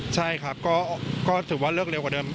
ใช่ครับก็ถือว่าเลิกเร็วกว่าเดิม